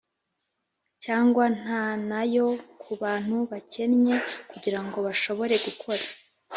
cyangwa nta nayo ku bantu bakennye kugirango bashobore gukora